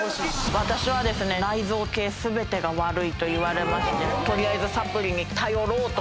私は内臓系全てが悪いといわれまして取りあえずサプリに頼ろうと思って。